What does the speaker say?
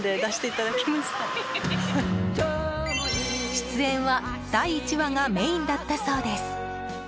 出演は第１話がメインだったそうです。